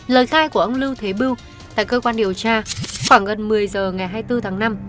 lời khai của ông lưu thế bưu tại cơ quan điều tra khoảng gần một mươi giờ ngày hai mươi bốn tháng năm